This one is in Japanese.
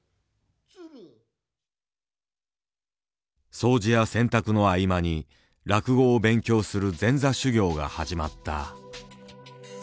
掃除や洗濯の合間に落語を勉強する前座修業が始まった。